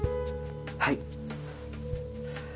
はい。